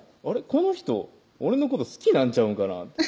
この人俺のこと好きなんちゃうんかな？